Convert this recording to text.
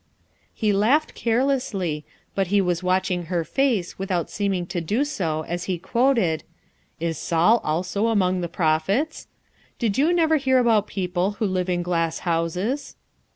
He laughed carelessly, but he was watching her face without seeming to do so as he quoted, " 'Is Saul also among the prophets?' Did you never hear about people who live in glass houses?"